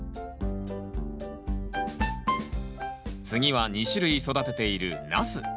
次は２種類育てているナス。